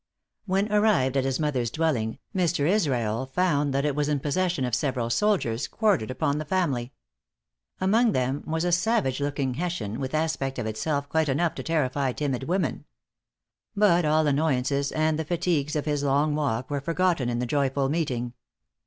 When arrived at his mother's dwelling, Mr. Israel found that it was in possession of several soldiers, quartered upon the family. Among them was a savage looking Hessian, with aspect of itself quite enough to terrify timid women. But all annoyances, and the fatigues of his long walk, were forgotten in the joyful meeting.